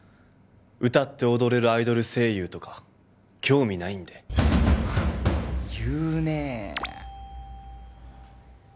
歌って踊れるアイドル声優とか興味ないんで言うねえ